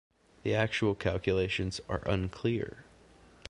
The actual calculations are unclear.